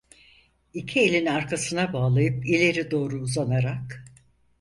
İki elini arkasına bağlayıp ileri doğru uzanarak.